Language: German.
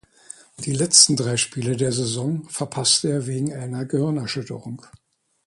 Die letzten drei Spiele der Saison verpasste er wegen einer Gehirnerschütterung.